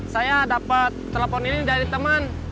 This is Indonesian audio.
saya dapat telepon ini dari teman